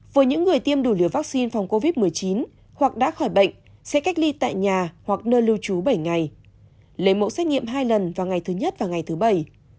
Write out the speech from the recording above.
với những người tiêm đủ liều vaccine phòng covid một mươi chín hoặc đã khỏi bệnh sẽ cách ly tại nhà hoặc nơi lưu trú bảy ngày lấy mẫu xét nghiệm hai lần vào ngày thứ nhất và ngày thứ bảy